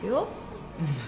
うん。